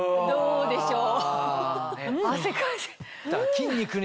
どうでしょう？